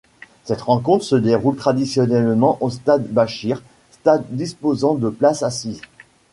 Cette rencontre se déroule traditionnellement au Stade Bachir, stade disposant de places assises.